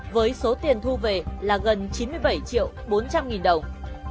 với số tiền thu về là gần chín mươi bảy triệu bốn trăm linh nghìn đồng